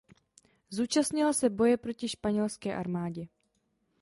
Zúčastnila se boje proti španělské armádě.